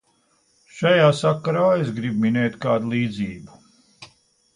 Šajā sakarā es gribu minēt kādu līdzību.